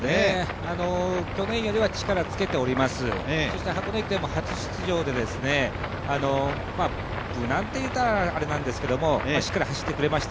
去年よりは力つけております、そして箱根駅伝も初出場で、無難というとあれなんですけどしっかり走ってくれました。